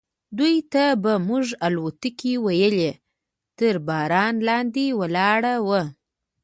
دوی ته به موږ الوتکې ویلې، تر باران لاندې ولاړ و.